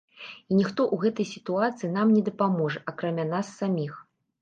І ніхто ў гэтай сітуацыі нам не дапаможа, акрамя нас саміх.